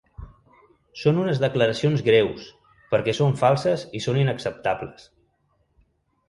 Són unes declaracions greus, perquè són falses i són inacceptables.